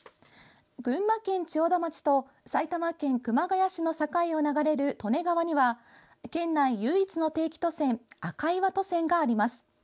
群馬県千代田町と埼玉県熊谷市の境を流れる利根川には県内唯一の定期渡船赤岩渡船があります。